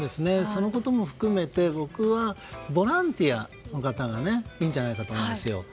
そのことも含めて僕はボランティアがいるといいんじゃないかなと思うんですよね。